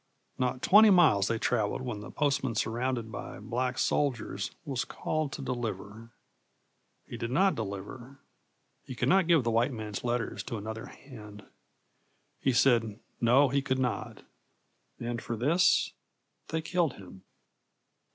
Not twenty miles they traveled when the postman, surrounded by black soldiers, was called to deliver. He did not deliver. He could not give the white man's letters to another hand. He said, No, he could not. And for this they killed him.